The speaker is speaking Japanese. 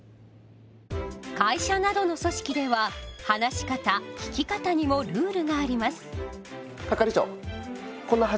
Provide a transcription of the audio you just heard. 会社などの組織では話し方聞き方にもルールがあります。